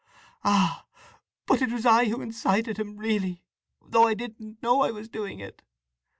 "Ah; but it was I who incited him really, though I didn't know I was doing it!